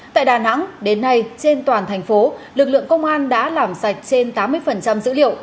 tại đà nẵng đến nay trên toàn thành phố lực lượng công an đã làm sạch trên tám mươi dữ liệu